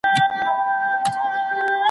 له هیڅ پلوه د مقایسې وړ نه دي `